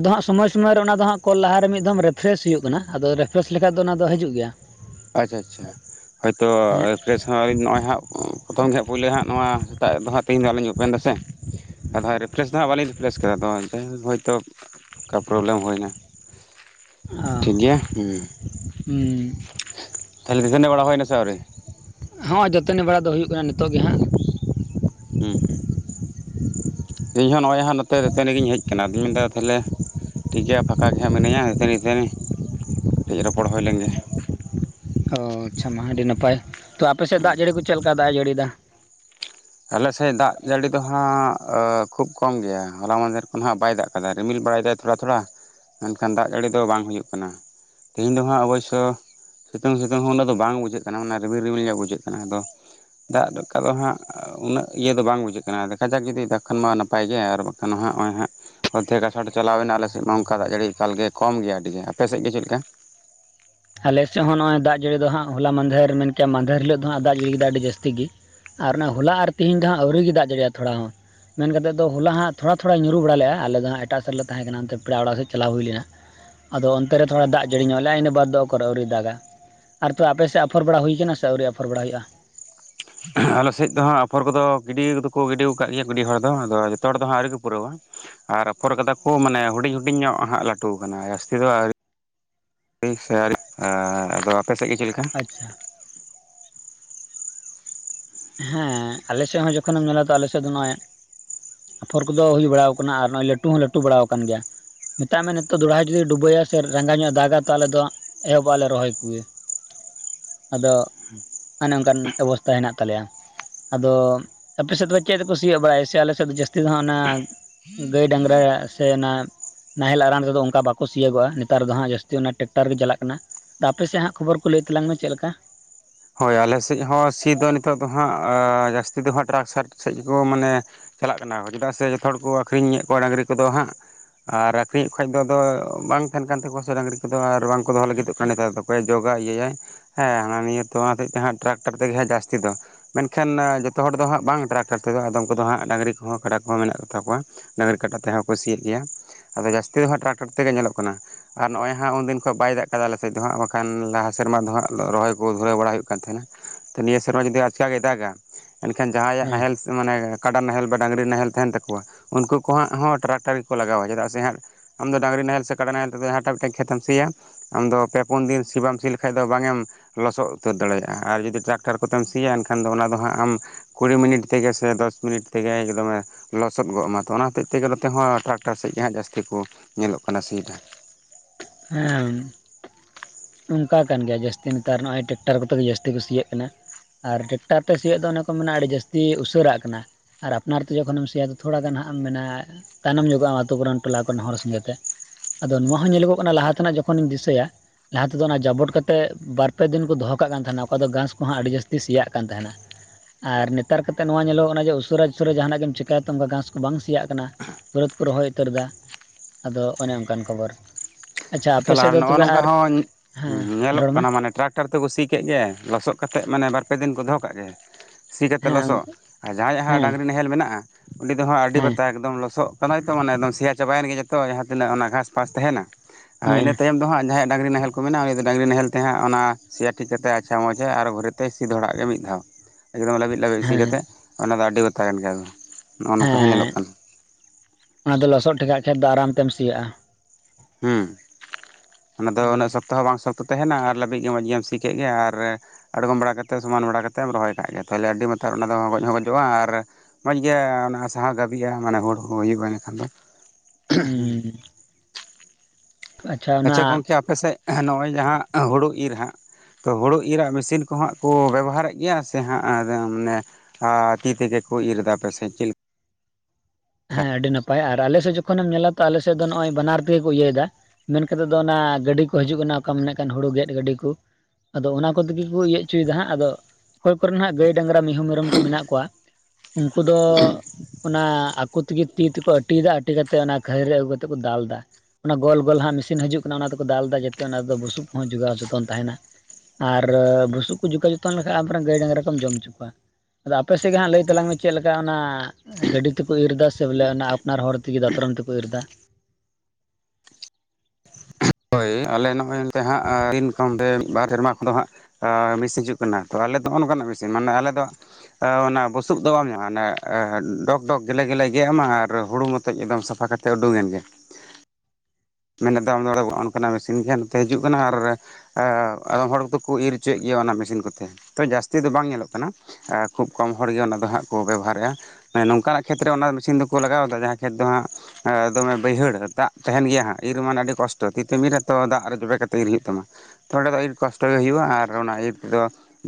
ᱟᱫᱚ ᱦᱟᱸᱜ ᱥᱚᱢᱚᱭ ᱥᱚᱢᱚᱭ ᱨᱮ ᱚᱱᱟ ᱫᱚ ᱦᱟᱸᱜ ᱠᱚᱞ ᱞᱟᱦᱟ ᱢᱤᱫ ᱫᱷᱚᱢ ᱨᱮᱯᱷᱨᱮᱥ ᱦᱩᱭᱩᱜ ᱠᱟᱱᱟ ᱟᱫᱚ ᱨᱮᱯᱷᱨᱮᱥ ᱞᱮᱠᱷᱟᱡ ᱫᱚ ᱚᱱᱟ ᱫᱚ ᱦᱤᱡᱩᱜ ᱜᱮᱭᱟ᱾ ᱟᱪᱪᱷᱟ ᱟᱪᱪᱷᱟ, ᱦᱚᱭᱛᱚ ᱦᱮᱸ ᱨᱮᱯᱷᱮᱥ ᱦᱚᱸ ᱟᱞᱤᱧ ᱱᱚᱜᱼᱚᱭ ᱦᱟᱸᱜ ᱯᱨᱚᱛᱷᱚᱢ ᱜᱮ ᱦᱟᱸᱜ ᱯᱳᱭᱞᱳ ᱦᱟᱸᱜ ᱱᱚᱣᱟ ᱥᱮᱛᱟᱜ ᱫᱚ ᱦᱟᱸᱜ ᱛᱮᱦᱮᱧ ᱫᱚ ᱦᱟᱸᱜ ᱞᱤᱧ ᱳᱯᱮᱱ ᱫᱟ ᱥᱮ᱾ ᱟᱫᱚ ᱦᱟᱸᱜ ᱨᱤᱯᱮᱨᱮᱥ ᱫᱚ ᱱᱟᱜ ᱵᱟᱹᱞᱤᱧ ᱨᱤᱯᱮᱨᱮᱥ ᱠᱟᱫᱟ ᱛᱚ ᱮᱱᱛᱮ ᱦᱳᱭᱛᱳ ᱚᱱᱠᱟ ᱯᱨᱚᱵᱞᱮᱢ ᱦᱩᱭ ᱮᱱᱟ, ᱚ ᱴᱷᱤᱠ ᱜᱮᱭᱟ ᱦᱩᱸ᱾ ᱦᱩᱸ᱾ ᱛᱟᱞᱦᱮ ᱫᱟᱹᱛᱟᱹᱱᱤ ᱵᱟᱲᱟ ᱦᱳᱭᱱᱟ ᱥᱮ ᱟᱹᱣᱨᱤ? ᱦᱚᱸ ᱫᱟᱹᱛᱟᱹᱱᱤ ᱵᱟᱲᱟ ᱫᱚ ᱦᱩᱭᱩᱜ ᱠᱟᱱᱟ ᱱᱤᱛᱚᱜ ᱜᱮ ᱦᱟᱸᱜ᱾ ᱦᱩᱸ ᱦᱩᱸ, ᱤᱧ ᱦᱚᱸ ᱱᱚᱜᱼᱚᱭ ᱦᱟᱸᱜ ᱱᱚᱛᱮ ᱫᱟᱹᱛᱟᱹᱱᱤ ᱜᱤᱧ ᱦᱮᱡ ᱠᱟᱱᱟ ᱟᱫᱩᱧ ᱢᱮᱱᱫᱟ ᱛᱟᱦᱞᱮ ᱴᱷᱤᱠ ᱜᱮᱭᱟ ᱯᱷᱟᱸᱠᱟ ᱜᱮ ᱦᱟᱸᱜ ᱢᱤᱱᱟᱹᱧᱟ, ᱫᱟᱹᱛᱟᱹᱱᱤ ᱫᱟᱹᱛᱟᱹᱱᱤ ᱠᱟᱹᱴᱤᱡ ᱨᱚᱯᱚᱲ ᱦᱩᱭ ᱞᱮᱱ ᱜᱮ᱾ ᱚᱻ ᱟᱪᱪᱷᱟ ᱢᱟ, ᱟᱹᱰᱤ ᱱᱟᱯᱟᱭ ᱛᱚ ᱟᱯᱮ ᱥᱮᱫ ᱫᱟᱜ ᱡᱟᱹᱲᱤ ᱠᱚ ᱪᱮᱫ ᱞᱮᱠᱟ ᱫᱟᱜ-ᱮ ᱡᱟᱹᱲᱤᱭᱮᱫᱟ? ᱟᱞᱮ ᱥᱮᱫ ᱫᱟᱜ ᱡᱟᱹᱲᱤ ᱫᱚ ᱦᱟᱸᱜ ᱠᱷᱩᱵ ᱠᱚᱢ ᱜᱮᱭᱟ, ᱦᱚᱞᱟ ᱢᱟᱸᱦᱫᱮᱨ ᱠᱷᱚᱱ ᱦᱟᱸᱜ ᱵᱟᱭ ᱫᱟᱜ ᱠᱟᱫᱟ, ᱨᱤᱢᱤᱞ ᱵᱟᱲᱟᱭ ᱫᱟᱭ ᱛᱷᱚᱲᱟ ᱛᱷᱚᱲᱟ ᱢᱮᱱᱠᱷᱟᱱ ᱫᱟᱜ ᱡᱟᱹᱲᱤ ᱫᱚ ᱵᱟᱝ ᱦᱩᱭᱩᱜ ᱠᱟᱱᱟ᱾ ᱛᱮᱦᱤᱧ ᱫᱚ ᱦᱟᱸᱜ ᱚᱵᱚᱥᱥᱚ ᱥᱤᱛᱩᱝ ᱥᱤᱛᱩᱝ ᱦᱚᱸ ᱩᱱᱟᱹᱜ ᱫᱚ ᱵᱟᱝ ᱵᱩᱡᱷᱟᱹᱜ ᱠᱟᱱᱟ, ᱚᱱᱟ ᱨᱤᱢᱤᱞ ᱨᱤᱢᱤᱞ ᱧᱚᱜ ᱵᱩᱡᱷᱟᱹᱜ ᱠᱟᱱᱟ, ᱟᱫᱚ ᱫᱟᱜ ᱫᱚᱠᱟᱫ ᱫᱚ ᱦᱟᱸᱜ᱾ ᱟᱸ ᱩᱱᱟᱹᱜ ᱤᱭᱟᱹ ᱫᱚ ᱵᱟᱝ ᱵᱩᱡᱷᱟᱹᱜ ᱠᱟᱱᱟ, ᱫᱮᱠᱷᱟ ᱡᱟᱠ ᱡᱩᱫᱤ ᱫᱟᱜᱽ ᱠᱷᱟᱱ ᱢᱟ ᱱᱟᱯᱟᱭ ᱜᱮᱭᱟ ᱟᱨ ᱵᱟᱝᱠᱷᱟᱱ ᱦᱟᱸᱜ ᱦᱚᱸᱜᱼᱚᱭ ᱦᱟᱸᱜ ᱦᱚ ᱛᱮ ᱫᱟᱥᱟᱰᱤ ᱪᱟᱞᱟᱣ ᱮᱱᱟ ᱟᱞᱮ ᱥᱮᱫ ᱢᱟ ᱚᱸᱠᱟ ᱫᱟᱜ ᱡᱟᱹᱲᱤ ᱮᱠᱟᱞ ᱜᱮ ᱠᱚᱢ ᱜᱮᱭᱟ ᱟᱹᱰᱤ ᱜᱮ, ᱟᱯᱮ ᱥᱮᱜ ᱜᱮ ᱪᱮᱫ ᱞᱮᱠᱟ? ᱟᱞᱮ ᱥᱮᱫ ᱦᱚᱸ ᱱᱚᱜᱼᱚᱭ ᱫᱟᱜ ᱡᱟᱹᱲᱤ ᱫᱚ ᱦᱟᱸᱜ ᱦᱚᱞᱟ ᱢᱟᱸᱫᱷᱮᱨ ᱢᱮᱱ ᱠᱮᱜᱼᱟ ᱢᱟᱸᱫᱷᱮᱨ ᱦᱤᱞᱟᱹᱜ ᱫᱚ ᱦᱟᱸᱜ ᱫᱟᱜ ᱡᱟᱹᱲᱤ ᱠᱮᱫᱟ ᱟᱹᱰᱤ ᱡᱟᱹᱥᱛᱤ ᱜᱮ ᱾ ᱟᱨ ᱚᱱᱟ ᱦᱚᱞᱟ ᱟᱨ ᱛᱮᱦᱤᱧ ᱫᱚ ᱦᱟᱸᱜ ᱟᱹᱣᱨᱤ ᱜᱮ ᱫᱟᱜ ᱡᱟᱹᱲᱤᱭᱟᱭ ᱛᱷᱚᱲᱟ ᱦᱚᱸ ᱾ ᱢᱮᱱ ᱠᱟᱛᱮᱫ ᱫᱚ ᱦᱚᱞᱟ ᱦᱟᱸᱜ ᱛᱷᱚᱲᱟ ᱛᱷᱚᱲᱟ ᱧᱩᱨᱩ ᱵᱟᱲᱟ ᱞᱮᱜᱼᱟ, ᱟᱞᱮ ᱫᱚ ᱦᱟᱸᱜ ᱮᱴᱟᱜ ᱥᱮᱫ ᱨᱮᱞᱮ ᱛᱟᱦᱮᱸ ᱠᱟᱱᱟ, ᱚᱱᱛᱮ ᱯᱮᱲᱟ ᱚᱲᱟᱜ ᱥᱮᱫ ᱪᱟᱞᱟᱣ ᱦᱩᱭ ᱞᱮᱱᱟ ᱾ ᱟᱫᱚ ᱚᱱᱛᱮ ᱨᱮ ᱛᱷᱚᱲᱟ ᱫᱟᱜ ᱡᱟᱹᱲᱤ ᱧᱚᱜ ᱞᱮᱜᱼᱟ, ᱤᱱᱟᱹ ᱵᱟᱫ ᱫᱚ ᱚᱠᱚᱨ ᱟᱹᱣᱨᱤ ᱫᱟᱜᱽᱼᱟ, ᱟᱨ ᱛᱚ ᱟᱯᱮᱥᱮᱜ ᱟᱯᱷᱚᱨ ᱵᱟᱲᱟ ᱦᱩᱭ ᱠᱟᱱᱟ ᱥᱮ ᱟᱹᱣᱨᱤ ᱟᱯᱷᱚᱨ ᱵᱟᱲᱟ ᱦᱩᱭᱩᱜᱼᱟ? [unintelligible] ᱟᱞᱮ ᱥᱮᱫ ᱫᱚ ᱦᱟᱸᱜ ᱟᱯᱷᱚᱨ ᱠᱚᱫᱚ ᱜᱤᱰᱤ ᱫᱚᱠᱚ ᱜᱤᱰᱤᱭᱟᱠᱟᱫ ᱜᱮᱭᱟ ᱜᱤᱰᱤ ᱦᱚᱲ ᱫᱚ ᱟᱫᱚ ᱡᱮᱛᱮ ᱦᱚᱲ ᱫᱚ ᱦᱟᱸᱜ ᱟᱹᱣᱨᱤ ᱠᱚ ᱯᱩᱨᱟᱹᱣᱟ᱾ ᱟᱨ ᱟᱯᱷᱚᱨ ᱟᱠᱟᱫᱟ ᱠᱚ ᱢᱟᱱᱮ ᱦᱩᱰᱤᱧ ᱦᱩᱰᱤᱧ ᱧᱚᱜ ᱦᱟᱸᱜ ᱞᱟᱹᱴᱩ ᱠᱟᱱᱟ ᱡᱟᱹᱥᱛᱤ ᱫᱚ ᱟᱹᱣᱨᱤ ᱜᱮ ᱥᱮᱭᱟᱨ ᱟᱨ ᱟᱯᱮ ᱥᱮᱜ ᱜᱮ ᱪᱮᱜ ᱞᱮᱠᱟ? ᱪᱷᱟ, ᱦᱮᱸ ᱟᱞᱮᱥᱮᱜ ᱦᱚᱸ ᱡᱚᱠᱷᱚᱱᱮᱢ ᱧᱮᱞᱟ ᱛᱚ ᱟᱞᱮᱥᱮᱫ ᱫᱚ ᱱᱚᱜᱼᱚᱭ ᱟᱯᱷᱚᱨ ᱠᱚᱫᱚ ᱦᱩᱭ ᱵᱟᱲᱟᱣ ᱠᱟᱱᱟ ᱟᱨ ᱱᱚᱜᱼᱚᱭ ᱞᱟᱹᱴᱩ ᱦᱚᱸ ᱞᱟᱹᱴᱩ ᱵᱟᱲᱟᱣ ᱠᱟᱱ ᱜᱮᱭᱟ᱾ ᱢᱮᱛᱟᱜ ᱢᱮ ᱱᱤᱛᱚᱜ ᱫᱚᱲᱦᱟᱭ ᱡᱩᱫᱤ ᱰᱩᱵᱟᱹᱭᱟ ᱥᱮ ᱨᱟᱸᱜᱟ ᱧᱚᱜ ᱮ ᱫᱟᱜᱽᱼᱟ ᱛᱟᱦᱟᱞᱮ ᱫᱚ ᱮᱦᱚᱵᱚᱜᱼᱟᱞᱮ ᱨᱚᱦᱚᱭ ᱠᱩᱜᱮ, ᱟᱫᱚ ᱚᱱᱮ ᱚᱱᱠᱟᱱ ᱚᱵᱚᱥᱛᱟ ᱦᱮᱱᱟᱜ ᱛᱟᱞᱮᱭᱟ, ᱟᱫᱚ ᱟᱯᱮ ᱥᱮᱫ ᱫᱚ ᱦᱟᱜ ᱪᱮᱫ ᱛᱮᱠᱚ ᱥᱤᱭᱳᱜ ᱵᱟᱲᱟᱭᱟᱭᱮᱜᱼᱟ, ᱟᱞᱮ ᱥᱮᱫ ᱫᱚ ᱡᱟᱹᱥᱛᱤ ᱫᱚ ᱦᱟᱸᱜ ᱚᱱᱟ ᱜᱟᱹᱭ ᱰᱟᱺᱜᱽᱨᱟᱭᱟᱜ ᱥᱮ ᱮᱱᱟ ᱱᱟᱦᱮᱞ ᱟᱨᱟᱬ ᱛᱮᱫᱚ ᱚᱸᱠᱟ ᱵᱟᱠᱚ ᱥᱤᱭᱳᱜᱚᱜᱼᱟ, ᱱᱮᱛᱟᱨ ᱫᱚ ᱦᱟᱸᱜ ᱡᱟᱹᱥᱛᱤ ᱚᱱᱟ ᱴᱮᱠᱴᱟᱨ ᱜᱮ ᱪᱟᱞᱟᱜ ᱠᱟᱱᱟ᱾ ᱟᱯᱮ ᱥᱮᱜ ᱦᱟᱸᱜ ᱠᱷᱚᱵᱚᱨ ᱠᱚ ᱞᱟᱹᱭ ᱛᱟᱞᱟᱝ ᱢᱮ ᱪᱮᱫ ᱞᱮᱠᱟ? ᱦᱳᱭ ᱟᱞᱮᱥᱮᱪ ᱦᱚᱸ ᱥᱤ ᱫᱚ ᱱᱤᱛᱚᱜ ᱫᱚ ᱦᱟᱸᱜ ᱟᱸ ᱡᱟᱹᱥᱛᱤ ᱫᱚ ᱦᱟᱸᱜ ᱴᱟᱨᱟᱠᱥᱟᱨᱠ ᱥᱮᱡ ᱜᱮᱠᱚ ᱢᱟᱱᱮ ᱪᱟᱞᱟᱜ ᱠᱟᱱᱟ ᱠᱚ ᱪᱮᱫᱟᱜ ᱥᱮ ᱡᱚᱛᱚ ᱦᱚᱲ ᱠᱚ ᱟᱹᱠᱷᱨᱤᱧ ᱧᱮᱫ ᱠᱚᱣᱟ ᱰᱟᱺᱜᱽᱨᱤ ᱠᱚᱫᱚ ᱦᱟᱸᱜ, ᱟᱨ ᱟᱹᱠᱷᱨᱤᱧᱮᱫ ᱠᱷᱚ ᱠᱷᱟᱡ ᱫᱚ ᱟᱫᱚ ᱵᱟᱝ ᱛᱟᱦᱮᱸᱱ ᱠᱟᱱ ᱛᱟᱠᱚᱣᱟ ᱥᱮ ᱰᱟᱺᱜᱽᱨᱤ ᱠᱚᱫᱚ ᱟᱨ ᱵᱟᱝ ᱠᱚ ᱫᱚᱦᱚ ᱞᱟᱹᱜᱤᱫᱚᱜ ᱠᱟᱱᱟ ᱱᱮᱛᱟᱨ ᱫᱚ᱾ ᱚᱠᱚᱭ ᱡᱚᱜᱽᱼᱟ ᱤᱭᱟᱹᱭᱟᱭ ᱦᱮᱸ ᱦᱟᱱᱟ ᱱᱤᱭᱟᱹ ᱛᱚ ᱚᱱᱟ ᱦᱚᱛᱮᱡ ᱛᱮ ᱦᱟᱸᱜ ᱴᱟᱨᱟᱠᱴᱟᱨ ᱛᱮᱜᱮ ᱦᱟᱸᱜ ᱡᱟᱹᱥᱛᱤ ᱫᱚ᱾ ᱢᱮᱱᱠᱷᱟᱱ ᱡᱚᱛᱚ ᱦᱚᱲ ᱫᱚ ᱦᱟᱸᱜ ᱵᱟᱝ ᱴᱟᱨᱟᱠᱴᱟᱨ ᱛᱮᱫᱚ ᱟᱫᱚᱢ ᱠᱚᱫᱚ ᱦᱟᱸᱜ ᱰᱟᱺᱜᱽᱨᱤ ᱠᱚᱦᱚᱸ ᱠᱟᱰᱟ ᱠᱚᱦᱚᱸ ᱢᱮᱱᱟᱜ ᱠᱚ ᱛᱟᱠᱚᱣᱟ᱾ ᱰᱟᱺᱜᱽᱨᱤ ᱠᱟᱰᱟ ᱛᱮᱦᱚᱸ ᱠᱚ ᱥᱤ ᱭᱮᱫ ᱜᱮᱭᱟ, ᱟᱫᱚ ᱡᱟᱹᱥᱛᱤ ᱫᱚ ᱦᱟᱸᱜ ᱴᱟᱨᱟᱠᱴᱟᱨ ᱛᱮᱜᱮ ᱧᱮᱞᱚᱜ ᱠᱟᱱᱟ᱾ ᱟᱨ ᱱᱚᱜᱼᱚᱸᱚᱭ ᱦᱟᱸᱜ ᱩᱱᱫᱤᱱ ᱠᱷᱚᱱ ᱵᱟᱭ ᱫᱟᱜ ᱟᱠᱟᱫᱟ ᱟᱞᱮ ᱥᱮᱫ ᱫᱚ ᱦᱟᱸᱜ ᱵᱟᱸᱠᱷᱟᱱ ᱞᱟᱦᱟ ᱥᱮᱨᱢᱟ ᱫᱚ ᱦᱟᱸᱜ, ᱞᱚ ᱨᱚᱦᱚᱭ ᱠᱚ ᱨᱚᱦᱚᱭ ᱵᱟᱲᱟ ᱦᱩᱭᱩᱜ ᱠᱟᱱ ᱛᱟᱦᱮᱸᱱᱟ, ᱛᱚ ᱱᱤᱭᱟᱹ ᱥᱮᱨᱢᱟ ᱡᱩᱫᱤ ᱟᱪᱠᱟ ᱜᱮ ᱫᱟᱜᱽᱼᱟ, ᱮᱱᱠᱷᱟᱱ ᱡᱟᱦᱟᱸᱭᱟᱜ ᱦᱮᱸ ᱱᱟᱦᱮᱞ ᱥᱮ ᱢᱟᱱᱮ ᱠᱟᱰᱟ ᱱᱟᱦᱮᱞ ᱵᱟ ᱰᱟᱺᱜᱽᱨᱤ ᱱᱟᱦᱮᱞ ᱛᱟᱦᱮᱸᱱ ᱛᱟᱠᱚᱣᱟ, ᱩᱱᱠᱩ ᱠᱚ ᱦᱟᱸᱜ ᱦᱚᱸ ᱴᱟᱨᱟᱠᱴᱟᱨ ᱜᱮᱠᱚ ᱞᱟᱜᱟᱣᱟ, ᱪᱮᱫᱟᱜ ᱥᱮ ᱦᱟᱸᱜ ᱟᱢ ᱫᱚ ᱰᱟᱺᱜᱽᱨᱤ ᱱᱟᱦᱮᱞ ᱥᱮ ᱠᱟᱰᱟ ᱱᱟᱦᱮᱞ ᱛᱮᱫᱚ ᱡᱟᱦᱟᱸᱴᱟᱜ ᱢᱤᱫᱴᱟᱝ ᱠᱷᱮᱛ ᱮᱢ ᱥᱤᱭᱟ, ᱟᱢ ᱫᱚ ᱯᱮ ᱯᱩᱱ ᱫᱤᱱ ᱥᱤ ᱵᱟᱢ ᱥᱤ ᱞᱮᱠᱷᱟᱡ ᱫᱚ ᱵᱟᱝ ᱮᱢ ᱞᱚᱥᱚᱫ ᱩᱛᱟᱹᱨ ᱫᱟᱲᱮᱭᱟᱜᱼᱟ, ᱟᱨ ᱡᱩᱫᱤ ᱴᱟᱨᱟᱠᱴᱟᱨ ᱠᱚᱛᱮᱢ ᱥᱤᱭᱟ ᱮᱱᱠᱷᱟᱱ ᱫᱚ ᱚᱱᱟ ᱫᱚ ᱦᱟᱸᱜ ᱟᱢ ᱠᱩᱲᱤ ᱢᱤᱱᱤᱴ ᱛᱮᱜᱮ ᱥᱮ ᱫᱚᱥ ᱢᱤᱱᱤᱴ ᱛᱮᱜᱮ ᱮᱠ ᱫᱚᱢᱮ ᱞᱚᱥᱚᱫ ᱜᱚᱜ ᱟᱢᱟ, ᱛᱚ ᱚᱱᱟ ᱦᱚᱛᱮᱡ ᱛᱮᱜᱮ ᱱᱚᱛᱮ ᱦᱚᱸ ᱴᱟᱨᱟᱠᱴᱟᱨ ᱥᱮᱡ ᱜᱮ ᱦᱟᱸᱜ ᱡᱟᱹᱥᱛᱤ ᱠᱚ ᱧᱮᱞᱚᱜ ᱠᱟᱱᱟ ᱥᱤ ᱫᱚ᱾ ᱦᱮᱸᱢ, ᱚᱸᱠᱟ ᱠᱟᱱ ᱜᱮᱭᱟ ᱡᱟᱹᱥᱛᱤ ᱱᱮᱛᱟᱨ ᱱᱚᱜᱼᱚᱭ ᱴᱮᱠᱴᱟᱨ ᱠᱚᱛᱮ ᱜᱮ ᱡᱟᱹᱥᱛᱤ ᱠᱚ ᱥᱤᱭᱟᱹᱜ ᱠᱟᱱᱟ ᱟᱨ ᱴᱮᱠᱴᱟᱨ ᱛᱮ ᱥᱤᱭᱟᱹᱜ ᱫᱚ ᱚᱱᱮ ᱠᱚ ᱢᱮᱱᱟ ᱟᱹᱰᱤ ᱡᱟᱹᱥᱛᱤ ᱩᱥᱟᱹᱨᱟᱜ ᱠᱟᱱᱟ᱾ ᱟᱨ ᱟᱯᱱᱟᱨ ᱛᱮ ᱡᱚᱠᱷᱚᱱᱮᱢ ᱥᱤᱭᱟ ᱛᱚ ᱛᱷᱚᱲᱟ ᱜᱟᱱ ᱦᱟᱸᱜ ᱮᱢ ᱢᱮᱱᱟ, ᱠᱟᱱᱟᱢ ᱧᱚᱜᱚᱜᱼᱟ ᱚᱱᱟ ᱟᱹᱛᱩ ᱠᱚᱨᱮᱱ ᱴᱚᱞᱟ ᱠᱚᱨᱮᱱ ᱦᱚᱲ ᱥᱚᱸᱜᱮ ᱛᱮ, ᱟᱫᱚ ᱱᱚᱶᱟ ᱦᱚᱸ ᱧᱮᱞᱚᱜᱚᱜ ᱚᱱᱟ ᱞᱟᱦᱟ ᱛᱮᱱᱟᱜ ᱡᱚᱠᱷᱚᱱᱤᱧ ᱫᱤᱥᱟᱹᱭᱟ, ᱞᱟᱦᱟ ᱛᱮᱫᱚ ᱚᱱᱟ ᱡᱟᱵᱚᱴ ᱠᱟᱛᱮᱜ ᱵᱟᱨ ᱯᱮ ᱫᱤᱱ ᱠᱚ ᱫᱚᱦᱚ ᱠᱟᱜ ᱠᱟᱱ ᱛᱟᱦᱮᱸᱱᱟ, ᱚᱠᱟ ᱫᱚ ᱜᱟᱸᱥ ᱠᱚ ᱦᱟᱸᱜ ᱟᱹᱰᱤ ᱡᱟᱹᱥᱛᱤ ᱥᱮᱭᱟᱜ ᱠᱟᱱ ᱛᱟᱦᱮᱸᱱᱟ᱾ ᱟᱨ ᱱᱮᱛᱟᱨ ᱠᱟᱛᱮᱫ ᱱᱚᱣᱟ ᱧᱮᱞᱚᱜᱚᱜ ᱠᱟᱱᱟ ᱡᱮ ᱩᱥᱟᱹᱨᱟ ᱩᱥᱟ. ᱨᱟ ᱡᱟᱦᱟᱸᱱᱟᱜ ᱜᱮᱢ ᱪᱮᱠᱟᱹᱭ ᱛᱚ ᱚᱱᱠᱟ ᱜᱟᱸᱥ ᱠᱚ ᱵᱟᱝ ᱥᱮᱭᱟᱜ ᱠᱟᱱᱟ᱾ ᱯᱩᱨᱟᱹᱫ ᱠᱚ ᱨᱚᱦᱚᱭ ᱩᱛᱟᱹᱨ ᱮᱫᱟ, ᱟᱫᱚ ᱚᱱᱮ ᱚᱱᱠᱟᱱ ᱠᱷᱚᱵᱚᱨ᱾ ᱟᱪᱪᱷᱟ ᱟᱯᱮ ᱥᱟᱞᱟ ᱥᱮᱫ ᱟᱨ ᱫᱚ ᱛᱚᱵᱮ ᱱᱚᱜᱼᱚᱼᱱᱚᱝᱠᱟ ᱦᱚᱸᱧ ᱦᱮᱸ ᱧᱮᱞᱚᱜ ᱨᱚᱲ ᱢᱮ ᱠᱟᱱᱟ ᱢᱟᱱᱮ ᱴᱟᱨᱟᱠ- ᱴᱟᱨ ᱛᱮᱠᱚ ᱥᱤ ᱠᱮᱫ ᱜᱮ ᱞᱚᱥᱚᱫ ᱠᱟᱛᱮᱜ ᱢᱟᱱᱮ ᱵᱟᱨ ᱯᱮ ᱫᱤᱱ ᱠᱚ ᱫᱚᱦᱚ ᱠᱟᱜ ᱜᱮ᱾ ᱥᱤ ᱠᱟᱛᱮᱫ ᱦᱮᱸ ᱞᱚᱥᱚᱜ ᱟᱨ ᱡᱟᱦᱟᱸᱭᱟᱜ ᱦᱟᱸᱜ ᱦᱮᱸ ᱰᱟᱝᱨᱤ ᱱᱟᱦᱮᱞ ᱢᱮᱱᱟᱜᱼᱟ, ᱩᱱᱤ ᱫᱚ ᱦᱟᱸᱜ ᱟᱹᱰᱤ ᱦᱮᱸ ᱵᱟᱛᱟ ᱮᱠᱫᱚᱢ ᱞᱚᱥᱚᱜ ᱚᱱᱟ ᱜᱮᱛᱚ ᱢᱟᱱᱮ ᱮᱠᱫᱚᱢ ᱥᱮᱭᱟ ᱪᱟᱵᱟᱭᱮᱱ ᱜᱮ ᱡᱚᱛᱚ ᱡᱟᱦᱟᱸ ᱛᱤᱱᱟᱹᱜ ᱚᱱᱟ ᱜᱷᱟᱥᱯᱸᱟᱥ ᱛᱟᱦᱮᱱᱟ ᱟᱨ ᱦᱮᱸ ᱤᱱᱟᱹ ᱛᱟᱭᱚᱢ ᱫᱚ ᱦᱟᱸᱜ ᱡᱟᱦᱟᱸᱭᱟᱜ ᱰᱟᱝᱝᱨᱤ ᱱᱟᱦᱮᱞ ᱠᱚ ᱢᱮᱱᱟ-ᱟ ᱩᱱᱤᱫ ᱫᱚ ᱰᱟᱝᱨᱤ ᱱᱟᱦᱮᱞ ᱛᱮ ᱦᱟᱸᱜ ᱚᱱᱟ ᱥᱮᱭᱟ ᱴᱤᱠ ᱠᱟᱛᱮ ᱟᱪᱪᱷᱟ ᱢᱚᱡᱽᱮ ᱟᱨᱚ ᱜᱷᱩᱨᱮᱛᱮᱭ ᱥᱤ ᱫᱚᱦᱲᱟᱜ ᱜᱮ ᱢᱤᱫ ᱫᱷᱟᱣ᱾ ᱮᱠᱫᱚᱢ ᱞᱟᱹᱵᱤᱫ ᱞᱟᱹᱵᱤᱫ ᱥᱤ ᱦᱮᱸ ᱠᱟᱛᱮᱜ, ᱚᱱᱟ ᱫᱚ ᱟᱹᱰᱤ ᱵᱟᱛᱟ ᱜᱟᱱ ᱜᱮᱭᱟ ᱜᱚ, ᱱᱚᱜᱼᱚ ᱱᱚᱠᱟ ᱦᱚᱸ ᱧᱮᱞᱚᱜ ᱦᱮᱸ ᱠᱟᱱᱟ᱾ ᱚᱱᱟ ᱫᱚ ᱞᱚᱥᱚᱫ ᱴᱷᱤᱠᱟᱜ ᱠᱷᱮᱛ ᱫᱚ ᱟᱨᱟᱢ ᱛᱮᱢ ᱥᱤᱭᱟᱜᱼᱟ᱾ ᱦᱩᱸ ᱚᱱᱟ ᱫᱚ ᱩᱱᱟᱹᱜ ᱥᱚᱠ ᱛᱚ ᱦᱚᱸ ᱵᱟᱝ ᱥᱚᱠᱛᱚ ᱛᱟᱦᱮᱱᱟ ᱟᱨ ᱞᱟᱹᱵᱤᱡ ᱜᱮ ᱢᱚᱡᱽ ᱜᱮᱢ ᱥᱤ ᱠᱮᱫ ᱜᱮ ᱟᱨ ᱟᱬᱜᱚᱢ ᱵᱟᱲᱟ ᱠᱟᱛᱮᱫ ᱥᱚᱢᱟᱱ ᱵᱟᱲᱟ ᱠᱟᱛᱮ ᱮᱢ ᱨᱚᱦᱚᱭ ᱠᱟᱜ ᱜᱮ, ᱛᱟᱦᱚᱞᱮ ᱟᱹᱰᱤ ᱢᱟᱛᱟᱨ ᱚᱱᱟ ᱫᱚ ᱜᱚᱡ ᱦᱚᱸ ᱜᱚᱡᱚᱜᱼᱟ ᱟᱨ ᱢᱚᱡᱽ ᱜᱮ ᱚᱱᱟ ᱥᱟᱦᱟ ᱦᱚᱸ ᱜᱟᱵᱤᱜ-ᱟ ᱢᱟᱱᱮ ᱦᱩᱲᱩ ᱦᱚᱸᱦᱩᱭᱩᱜᱼᱟ ᱤᱱᱟᱹᱠᱷᱟᱱ ᱫᱚ᱾ ᱦᱩᱸ᱾ ᱟᱪᱪᱷᱟ ᱜᱚᱝᱠᱮ ᱟᱯᱮᱥᱮᱫ ᱱᱚᱜᱼᱚᱭ ᱡᱟᱦᱟᱸ ᱦᱩᱲᱩ ᱤᱨ ᱦᱟᱸᱜ ᱛᱚ ᱦᱳᱲᱳ ᱤᱨᱟᱜ ᱢᱮᱥᱤᱱ ᱠᱚ ᱦᱟᱸᱜ ᱠᱚ ᱵᱮᱵᱚᱦᱟᱨᱮᱫ ᱜᱮᱭᱟ ᱥᱮ ᱦᱟᱸᱜ ᱟᱫᱚ ᱢᱟᱱᱮ ᱟ ᱛᱤ ᱛᱮᱜᱮ ᱠᱚ ᱤᱨ ᱫᱟ ᱟᱯᱮᱥᱮᱡ ᱪᱮᱫ ᱞᱮᱠᱟ? ᱦᱮᱸ ᱟᱹᱰᱤ ᱱᱟᱯᱟᱭ ᱟᱨ ᱟᱞᱮᱥᱮᱫ ᱡᱚᱠᱷᱚᱱᱮᱢ ᱧᱮᱞᱟ ᱛᱚ ᱟᱞᱮᱥᱮᱫ ᱫᱚ ᱱᱚᱜᱼᱚᱭ ᱵᱟᱱᱟᱨ ᱛᱮᱜᱮ ᱠᱚ ᱤᱭᱟᱹᱭᱫᱟ᱾ ᱢᱮᱱᱠᱟᱛᱷᱟ ᱫᱚ ᱚᱱᱟ ᱜᱟᱹᱰᱤ ᱠᱚ ᱦᱤᱡᱩᱜ ᱠᱟᱱᱟ ᱚᱠᱟ ᱢᱮᱱᱮᱜ ᱠᱟᱱ ᱦᱩᱲᱩ ᱜᱮᱫ ᱜᱟᱹᱰᱤ ᱠᱚ᱾ ᱟᱫᱚ ᱚᱱᱟ ᱠᱚ ᱛᱮᱜᱮ ᱠᱚ ᱤᱭᱟᱹ ᱚᱪᱚᱭᱫᱟ ᱦᱟᱸᱜ ᱟᱫᱚ ᱚᱠᱚᱭ ᱠᱚᱨᱮᱱ ᱦᱟᱸᱜ ᱜᱟᱹᱭ ᱰᱟᱝᱨᱟ ᱢᱤᱦᱩ ᱢᱮᱨᱚᱢ ᱠᱚ ᱢᱮᱱᱟᱜ ᱠᱚᱣᱟ᱾ ᱩᱱᱠᱩ ᱫᱚ ᱚᱱᱟ ᱟ ᱠᱚ ᱛᱮᱜᱮ ᱛᱤ ᱛᱮᱠᱚ ᱟᱹᱴᱤᱭᱮᱫᱟ ᱟᱹᱴᱤ ᱠᱟᱛᱮ ᱚᱱᱟ ᱠᱷᱟᱹᱨᱟᱹᱭ ᱨᱮ ᱟᱹᱜᱩ ᱠᱟᱛᱮᱜ ᱠᱚ ᱫᱟᱞ ᱫᱟ᱾ ᱚᱱᱟ ᱜᱚᱞ ᱜᱚᱞ ᱦᱟᱸᱜ ᱢᱮᱥᱤᱱ ᱦᱤᱡᱩᱜ ᱠᱟᱱᱟ ᱚᱱᱟ ᱛᱮᱠᱚ ᱫᱟᱞ ᱫᱟ ᱡᱮᱛᱮ ᱚᱱᱟ ᱨᱮᱫᱚ ᱵᱩᱥᱩᱵ ᱦᱚᱸ ᱡᱚᱜᱟᱣ ᱡᱚᱛᱚᱱ ᱛᱟᱦᱮᱸᱱᱟ᱾ ᱟᱨ ᱵᱩᱥᱩᱵ ᱠᱚ ᱡᱚᱜᱟᱣ ᱡᱚᱛᱚᱱ ᱞᱮᱠᱷᱟᱡ ᱟᱢ ᱨᱮᱱ ᱜᱟᱹᱭ ᱰᱟᱝᱨᱟ ᱠᱚᱢ ᱡᱚᱢ ᱦᱚᱪᱚ ᱠᱚᱣᱟ᱾ ᱟᱫᱚ ᱟᱯᱮ ᱥᱮᱫ ᱜᱮ ᱦᱟᱸᱜ ᱞᱟᱹᱭ ᱛᱟᱞᱟᱝ ᱢᱮ ᱪᱮᱫ ᱞᱮᱠᱟ ᱚᱱᱟ ᱜᱟᱹᱰᱤ ᱛᱮᱠ ᱠᱚ ᱤᱨ ᱫᱟ ᱥᱮ ᱵᱚᱞᱮ ᱚᱱᱟ ᱟᱯᱱᱟᱨ ᱦᱚᱲ ᱛᱮᱜᱮ ᱫᱟᱛᱨᱚᱢ ᱛᱮᱠᱚ ᱤᱨ ᱫᱟ᱾ ᱦᱳᱭ ᱟᱞᱮ ᱱᱚᱜᱼᱚᱭ ᱮᱱᱛᱮ ᱦᱟᱸᱜ ᱛᱤᱱ [unintelligible] ᱢᱤᱫ ᱵᱟᱨ ᱥᱮᱨᱢᱟ ᱠᱷᱚᱱ ᱫᱚ ᱦᱟᱸᱜ ᱟ ᱢᱤᱥ ᱦᱤᱡᱩᱜ ᱠᱟᱱᱟ ᱛᱚ ᱟᱞᱮ ᱫᱚ ᱱᱚᱜ ᱱᱚᱝᱠᱟᱱᱟᱜ ᱢᱮᱥᱤᱱ ᱢᱟᱱᱮ ᱟᱞᱮ ᱫᱚ ᱮ ᱚᱱᱟ ᱵᱩᱥᱩᱵᱽ ᱫᱚ ᱵᱟᱢ ᱧᱟᱢᱟ ᱚᱱᱮ ᱰᱚᱜᱽ ᱰᱚᱜᱽ ᱜᱮᱞᱮ ᱜᱮᱞᱮ ᱜᱮᱫ ᱟᱢᱟ ᱟᱨ ᱦᱩᱲᱩ ᱢᱚᱛᱚᱡ ᱮᱠᱫᱚᱢ ᱥᱟᱯᱷᱟ ᱠᱟᱛᱮ ᱛᱮ ᱩᱰᱩᱜᱮᱱ ᱜᱮ᱾ ᱢᱮᱱᱮᱫ ᱫᱚ ᱟᱢ ᱫᱚ ᱚᱱᱟ ᱫᱚ ᱚᱱᱠᱟᱱᱟᱜ ᱢᱮᱥᱤᱱ ᱜᱮ ᱦᱟᱸᱱ ᱱᱚᱛᱮ ᱦᱤᱡᱩᱜ ᱠᱟᱱᱟ ᱟᱨ ᱟ ᱟᱫᱚᱢ ᱦᱚᱲ ᱠᱚᱫᱚᱠᱚ ᱤᱨ ᱦᱚᱪᱚᱭᱮᱫ ᱜᱮᱭᱟ ᱚᱱᱟ ᱢᱮᱥᱤᱱ ᱠᱚᱛᱮ, ᱛᱚ ᱡᱟᱹᱥᱛᱤ ᱫᱚ ᱵᱟᱝ ᱧᱮᱞᱚᱜ ᱠᱟᱱᱟ᱾ ᱟ ᱠᱷᱩᱵ ᱠᱚᱢ ᱦᱚᱲᱜᱮ ᱚᱱᱟ ᱫᱚ ᱦᱟᱸᱜ ᱠᱚ ᱵᱮᱵᱷᱟᱨᱮᱜᱼᱟ᱾ ᱢᱟᱱᱮ ᱱᱚᱝᱠᱟᱱᱟᱜ ᱠᱷᱮᱛᱨᱮ ᱚᱱᱟ ᱢᱮᱥᱤᱱ ᱫᱚᱠᱚ ᱞᱟᱜᱟᱣ ᱫᱟ ᱡᱟᱦᱟᱸ ᱠᱷᱮᱪ ᱫᱚ ᱦᱟᱸᱜ ᱦᱮᱸ ᱫᱚᱢᱮ ᱵᱟᱹᱭᱦᱟᱹᱲ ᱫᱟᱜ ᱛᱟᱦᱮᱸᱱ ᱜᱮᱭᱟ ᱦᱟᱸᱜ ᱾ ᱤᱨ ᱨᱮ ᱢᱟᱱᱮ ᱟᱹᱰᱤ ᱠᱚᱥᱴᱚ ᱛᱤᱛᱮᱢ ᱤᱨᱟ ᱛᱚ ᱫᱟᱜ ᱨᱮ ᱡᱚᱵᱮ ᱠᱟᱛᱮᱜ ᱤᱨ ᱦᱩᱭᱩᱜ ᱛᱟᱢᱟ᱾ ᱛᱚ ᱚᱸᱰᱮ ᱫᱚ ᱤᱨ ᱠᱚᱥᱴᱚ ᱜᱮ ᱦᱩᱭᱩᱜᱼᱟ ᱟᱨ ᱚᱱᱟ ᱤᱨ ᱛᱮᱫᱚ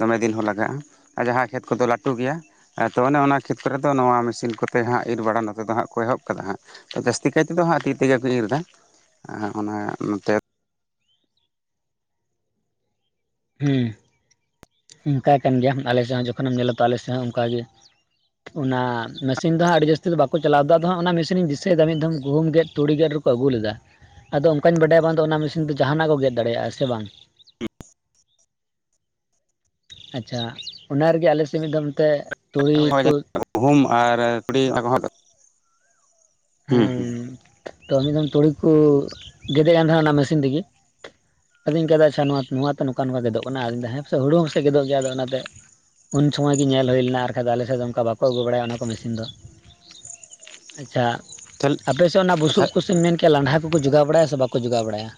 ᱫᱚᱢᱮ ᱫᱤᱱ ᱦᱚᱸ ᱞᱟᱜᱟᱜᱼᱟ᱾ ᱟᱨ ᱡᱟᱦᱟᱸ ᱠᱷᱮᱛ ᱠᱚᱫᱚ ᱞᱟᱹᱴᱩ ᱜᱮᱭᱟ ᱛᱚ ᱚᱱᱮ ᱚᱱᱟ ᱠᱷᱮᱛᱠᱚᱨᱮ ᱫᱚ ᱱᱚᱣᱟ ᱢᱮᱥᱤᱱ ᱠᱚᱛᱮ ᱦᱟᱸᱜ ᱤᱨ ᱵᱟᱲᱟ ᱱᱚᱛᱮ ᱫᱚ ᱦᱟᱸᱜ ᱠᱚ ᱮᱦᱚᱵ ᱠᱟᱫᱟ ᱦᱟᱸᱜ᱾ ᱛᱚ ᱡᱟᱹᱥᱛᱤ ᱠᱟᱭ ᱛᱮᱫᱚ ᱦᱟᱸᱜ ᱛᱤ ᱛᱮᱜᱮ ᱠᱚ ᱤᱨ ᱫᱟ᱾ ᱟᱨ ᱚᱱᱟ ᱱᱚᱛᱮ ᱦᱩᱸ᱾ ᱚᱱᱠᱟ ᱠᱟᱱ ᱜᱮᱭᱟ, ᱟᱞᱮ ᱥᱮᱫ ᱦᱚᱸ ᱡᱚᱠᱷᱚᱱᱮᱢ ᱧᱮᱞᱟ ᱛᱚ ᱟᱞᱮ ᱥᱮᱫ ᱦᱚᱸ ᱚᱱᱠᱟ ᱜᱮ᱾ ᱚᱱᱟ ᱢᱮᱥᱤᱱ ᱫᱚᱦᱟᱸᱜ ᱟᱹᱰᱤ ᱡᱟᱹᱥᱛᱤ ᱫᱚ ᱵᱟᱠᱚ ᱪᱟᱞᱟᱣ ᱫᱟ, ᱟᱫᱚ ᱦᱟᱸᱜ ᱚᱱᱟ ᱢᱮᱥᱤᱱᱤᱧ ᱫᱤᱥᱟᱹᱭᱮᱫᱟ ᱢᱤᱫ ᱫᱷᱚᱢ ᱜᱩᱦᱩᱢ ᱜᱮᱫ ᱛᱩᱲᱤ ᱜᱮᱫ ᱨᱩ ᱠᱚ ᱟᱹᱜᱩ ᱞᱮᱫᱟ, ᱟᱫᱚ ᱚᱱᱠᱟᱧ ᱵᱟᱰᱟᱭᱟ ᱵᱟᱝᱫᱚ ᱚᱱᱟ ᱢᱮᱥᱤᱱ ᱫᱚ ᱡᱟᱦᱟᱸᱱᱟᱜ ᱠᱚ ᱜᱮᱫ ᱫᱟᱲᱮᱭᱟᱜᱼᱟ ᱥᱮ ᱵᱟᱝ᱾ ᱟᱪᱪᱷᱟ ᱚᱱᱟ ᱨᱮᱜᱮ ᱟᱞᱮ ᱥᱮᱫ ᱢᱤᱫ ᱫᱷᱚᱢ ᱛᱮ [unintelligible] ᱜᱩᱦᱩᱢ ᱟᱨ ᱛᱩᱲᱤ ᱚᱱᱟ ᱠᱚᱦᱚᱸ ᱫᱚ ᱦᱩᱸ ᱦᱮᱸ ᱦᱩᱸ᱾ ᱛᱚ ᱢᱤᱫ ᱫᱷᱚᱢ ᱛᱩᱲᱤ ᱠᱚ ᱜᱮᱫᱮᱜ ᱠᱟᱱ ᱛᱟᱦᱮᱸᱱᱟ ᱚᱱᱟ ᱢᱮᱥᱤᱱ ᱛᱮᱜᱮ᱾ ᱟᱫᱤᱧ ᱠᱟᱫᱟ ᱪᱷᱟ ᱱᱚᱣᱟ, ᱱᱚᱣᱟ ᱛᱮ ᱱᱚᱠᱟ-ᱱᱚᱠᱟ ᱜᱮᱫᱚᱜ ᱠᱟᱱᱟ, ᱟᱫᱚᱹᱧ ᱫᱟ ᱦᱮᱸ ᱯᱟᱥᱮ ᱦᱩᱲᱩ ᱦᱚᱸ ᱯᱟᱥᱮ ᱜᱮᱫᱚᱜ ᱜᱮᱭᱟ, ᱟᱫᱚ ᱚᱱᱟ ᱛᱮ ᱩᱱ ᱪᱷᱚᱢᱚᱭ ᱜᱮ ᱧᱮᱞ ᱦᱩᱭ ᱞᱮᱱᱟ ᱟᱨ ᱠᱷᱟᱡ ᱫᱚ ᱟᱞᱮᱥᱮᱫ ᱫᱚ ᱚᱝᱠᱟ ᱵᱟᱠᱚ ᱟᱹᱜᱩ ᱵᱟᱲᱟᱭᱟ ᱚᱱᱟ ᱠᱚ ᱢᱮᱥᱤᱱ ᱫᱚ᱾ ᱟᱪᱪᱟ᱾ ᱦᱩᱸ ᱟᱯᱮᱥᱮᱜ ᱚᱱᱟ ᱵᱩᱥᱩᱵ ᱠᱚ ᱥᱮ ᱢᱮᱱ ᱠᱮ ᱞᱟᱸᱰᱷᱟ ᱠᱚᱠᱚ ᱡᱚᱜᱟᱣ ᱵᱟᱲᱟᱭᱟ ᱥᱮ ᱵᱟᱠᱚ ᱡᱚᱜᱟᱣ ᱵᱟᱲᱟᱭᱟ?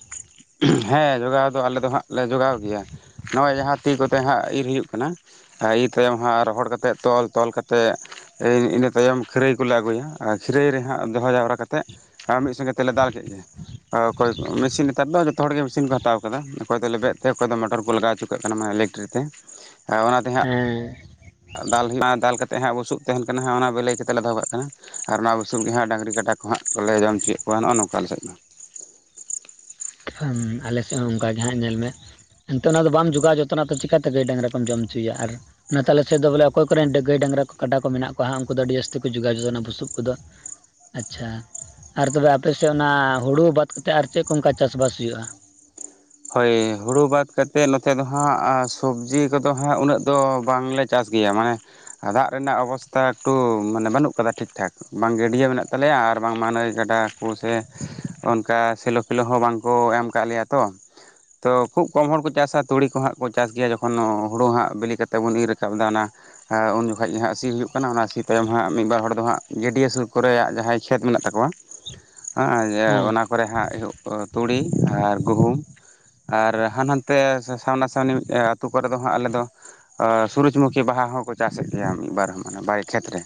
ᱦᱮ, ᱡᱚᱜᱟᱣ ᱫᱚ, ᱟᱞᱮ ᱫᱚ ᱦᱟᱸᱜ ᱞᱮ ᱡᱚᱜᱟᱣ ᱜᱮᱭᱟ᱾ ᱱᱚᱜᱼᱚᱭ ᱡᱟᱦᱟ ᱛᱤ ᱠᱚᱛᱮ ᱦᱟᱸᱜ ᱤᱨ ᱦᱩᱭᱩᱜ ᱠᱟᱱᱟ ᱟ ᱤᱨ ᱛᱟᱭᱚᱢ ᱦᱟᱸᱜ ᱨᱚᱦᱚᱲ ᱠᱟᱛᱮᱫ ᱛᱚᱞ, ᱛᱚᱞ ᱠᱟᱛᱮᱜ ᱮᱹ ᱤᱱᱟᱹ ᱛᱟᱭᱚᱢ ᱠᱷᱟᱹᱨᱟᱹᱭ ᱠᱚᱞᱮ ᱟᱹᱜᱩᱭᱟ ᱟᱨ ᱠᱷᱟᱹᱨᱟᱹᱭ ᱨᱮ ᱦᱟᱸᱜ ᱫᱚᱦᱚ ᱡᱟᱣᱨᱟ ᱠᱟᱛᱮᱜ ᱟ ᱢᱤᱜ ᱥᱚᱸᱜᱮ ᱛᱮᱞᱮ ᱫᱟᱞ ᱠᱮᱜ ᱜᱮ ᱟ ᱚᱠᱚᱭ ᱠᱚ ᱢᱮᱥᱤᱱ ᱛᱟᱫᱽ ᱫᱚ ᱡᱚᱛᱚ ᱦᱚᱲ ᱜᱮ ᱢᱮᱥᱤᱱ ᱠᱚ ᱦᱟᱛᱟᱣ ᱠᱟᱫᱟ᱾ ᱚᱠᱚᱭ ᱫᱚ ᱞᱮᱵᱮᱫ ᱛᱮ, ᱚᱠᱚᱭ ᱫᱚ ᱢᱚᱴᱚᱨ ᱠᱚ ᱞᱟᱜᱟᱣ ᱪᱚ ᱠᱟᱜ ᱠᱟᱱᱟ ᱤᱞᱮᱹᱠᱴᱨᱤ ᱛᱮ᱾ ᱟ ᱚᱱᱟ ᱛᱮ ᱮᱸ ᱾ ᱟ ᱫᱟᱞ ᱦᱩᱭᱩᱜᱼᱟᱸ ᱫᱟᱞ ᱠᱟᱛᱮᱜ ᱦᱟᱸᱜ ᱵᱩᱥᱩᱵᱽ ᱛᱮᱦᱮᱱ ᱠᱟᱱᱟ ᱦᱟᱸᱜ ᱚᱱᱟ ᱵᱟᱹᱞᱟᱹᱭ ᱠᱟᱛᱮᱜ ᱞᱮ ᱫᱚᱦᱚ ᱠᱟᱜ ᱠᱟᱱᱟ ᱾ ᱟᱨ ᱚᱱᱟ ᱵᱩᱥᱩᱵ ᱜᱮ ᱦᱟᱸᱜ ᱰᱟᱝᱨᱤ, ᱠᱟᱰᱟ ᱠᱚ ᱦᱟᱸᱜ ᱠᱚᱞᱮ ᱡᱚᱢ ᱪᱚᱭᱮᱜ ᱠᱚᱣᱟ ᱱᱚᱜᱼᱚ ᱱᱚᱝᱠᱟ ᱟᱞᱮ ᱥᱮᱫ ᱫᱚ ᱾ ᱯᱷᱟᱢ ᱟᱞᱮ ᱥᱮᱫ ᱦᱚᱸ ᱚᱝᱠᱟ ᱜᱮ ᱦᱟᱸᱜ ᱧᱮᱞ ᱢᱮ ᱦᱮᱱ ᱛᱮ ᱚᱱᱟ ᱫᱚ ᱵᱟᱢ ᱡᱚᱜᱟᱣ ᱡᱚᱛᱚᱱᱟ ᱛᱚ ᱪᱮᱠᱟ ᱛᱮ ᱜᱟᱹᱭ, ᱰᱟᱝᱨᱟ ᱠᱚᱢ ᱡᱚᱢ ᱪᱚᱭᱭᱟ ᱟᱨ ᱚᱱᱟ ᱛᱟᱞᱮ ᱥᱮᱫ ᱫᱚ ᱵᱚᱞᱮ ᱚᱠᱚᱭ ᱠᱚᱱ ᱰ ᱜᱟᱹᱭ ᱱᱚᱛᱮ ᱟᱞᱮ ᱥᱮᱫ ᱫᱚ ᱵᱚᱞᱮ ᱚᱠᱚᱭ ᱠᱚᱨᱮᱱ ᱰᱟᱹᱜᱽ ᱱᱟ ᱛᱟᱞᱮ ᱥᱮᱫ ᱫᱚ ᱵᱚᱞᱮ ᱚᱠᱚ ᱠᱚᱨᱮᱱ ᱰᱟᱹ ᱜᱟᱹᱭ, ᱰᱟᱝᱨᱟ ᱠᱚ, ᱠᱟᱰᱟ ᱠᱚ ᱢᱮᱱᱟᱜ ᱠᱚᱣᱟ ᱦᱟᱸᱜ ᱩᱝᱠᱩ ᱫᱚ ᱟᱹᱰᱤ ᱡᱟᱹᱥᱛᱤ ᱠᱚ ᱡᱳᱜᱟᱣ ᱡᱚᱛᱚᱱᱟ ᱵᱩᱥᱩᱵ ᱠᱚᱫᱚ ᱾ ᱟᱪᱪᱷᱟ ᱟᱨ ᱛᱚᱵᱮ ᱟᱯᱮᱥᱮᱜ ᱚᱱᱟ ᱦᱩᱲᱩ ᱵᱟᱫᱽ ᱠᱟᱛᱮᱜ ᱟᱨ ᱪᱮᱜ ᱠᱚ ᱚᱝᱠᱟ ᱪᱟᱥ-ᱵᱟᱥ ᱦᱩᱭᱩᱜᱼᱟ? ᱦᱳᱭ, ᱦᱩᱲᱩ ᱵᱟᱫᱽ ᱠᱟᱛᱮᱜ ᱱᱚᱛᱮ ᱫᱚ ᱦᱟᱸᱜ ᱟᱸ ᱥᱚᱵᱽᱡᱤ ᱠᱚᱫᱚ ᱦᱟᱸᱜ ᱩᱱᱟᱹᱜ ᱫᱚ ᱵᱟᱝᱞᱮ ᱪᱟᱥ ᱜᱮᱭᱟ ᱢᱟᱱᱮ ᱟᱫᱟᱜ ᱨᱮᱱᱟᱜ ᱚᱵᱚᱥᱛᱟ ᱮᱠᱴᱩ ᱢᱟᱱᱮ ᱵᱟᱹᱱᱩᱜ ᱠᱟᱫᱟ ᱴᱷᱤᱠ-ᱴᱷᱟᱠ᱾ ᱵᱟᱝ ᱜᱟᱹᱰᱭᱟᱹ ᱢᱮᱱᱟᱜ ᱛᱟᱞᱮᱭᱟ ᱟᱨ ᱵᱟᱝ ᱢᱟ ᱱᱟᱹᱭ, ᱜᱟᱰᱟ ᱠᱚ ᱥᱮ ᱚᱱᱠᱟ ᱥᱮᱞᱳ ᱯᱷᱮᱞᱳ ᱦᱚᱸ ᱵᱟᱝ ᱠᱚ ᱮᱢ ᱠᱟᱜ ᱞᱮᱭᱟ ᱛᱚᱻ᱾ ᱛᱚ ᱠᱷᱩᱵ ᱠᱚᱢ ᱦᱚᱲ ᱠᱚ ᱪᱟᱥᱟ, ᱛᱩᱲᱤ ᱠᱚ, ᱦᱟᱸᱜ ᱠᱚ ᱪᱟᱥ ᱜᱮᱭᱟ᱾ ᱡᱚᱠᱷᱚᱱ ᱱᱚ ᱦᱩᱲᱩ ᱦᱟᱸᱜ ᱵᱤᱞᱤ ᱠᱟᱛᱮᱜ ᱵᱚᱱ ᱤᱨᱟᱠᱟᱵ ᱫᱟ ᱟᱱᱟ ᱟ ᱩᱱ ᱡᱚᱠᱷᱚᱡ ᱜᱮ ᱦᱟᱸᱜ ᱥᱤ ᱦᱩᱭᱩᱜ ᱠᱟᱱᱟ᱾ ᱚᱱᱟ ᱥᱤ ᱛᱟᱭᱚᱢ ᱦᱟᱸᱜ ᱢᱤᱜ, ᱵᱟᱨ ᱦᱚᱲ ᱫᱚ ᱦᱟᱸᱜ ᱜᱟᱹᱰᱭᱟᱹ ᱥᱩᱨ ᱠᱚᱨᱮ ᱭᱟᱜ ᱡᱟᱦᱟᱭ ᱠᱷᱮᱛ ᱢᱮᱱᱟᱜ ᱛᱟᱠᱚᱣᱟ ᱟᱺᱜ ᱭᱟᱹ ᱦᱮᱸ ᱚᱱᱟ ᱠᱚᱨᱮ ᱦᱟᱸᱜ ᱮᱦᱚᱵ ᱠᱚ ᱛᱩᱲᱤ ᱟᱨ ᱜᱩᱦᱩᱢ ᱟᱨ ᱦᱟᱱ-ᱦᱟᱱ ᱛᱮ ᱥᱟ ᱥᱟᱢᱱᱟ-ᱥᱟᱢᱱᱤ ᱟᱹᱛᱩ ᱠᱚᱨᱮ ᱫᱚ, ᱦᱟᱸᱜ ᱟᱞᱮ ᱫᱚ ᱟᱨ ᱥᱩᱨᱩᱡᱽᱢᱩᱠᱷᱤ ᱵᱟᱦᱟ ᱦᱚᱸᱠᱚ ᱪᱟᱥᱮᱜ ᱜᱮᱭᱟ ᱢᱤᱜ, ᱵᱟᱨ ᱦᱚ ᱢᱟᱱᱮ ᱵᱟᱭ ᱠᱷᱮᱛ ᱨᱮ᱾